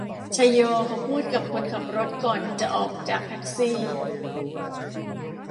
ไชโยเขาพูดกับคนขับรถก่อนจะออกจากแท็กซี่